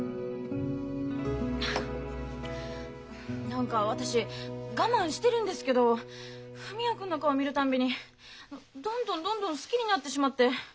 何か私我慢してるんですけど文也君の顔見るたんびにどんどんどんどん好きになってしまって。